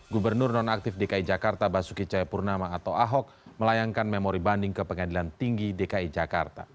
gubernur nonaktif dki jakarta basuki cayapurnama atau ahok melayangkan memori banding ke pengadilan tinggi dki jakarta